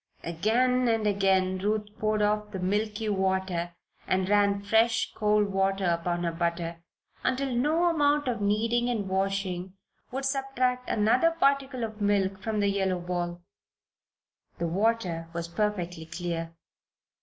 Again and again Ruth poured off the milky water and ran fresh, cold water upon her butter until no amount of kneading and washing would subtract another particle of milk from the yellow ball. The water was perfectly clear.